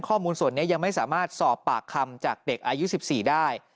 ข้อมูลส่วนนี้ยังไม่สามารถสอบปากคำจากเด็กอายุ๑๔ได้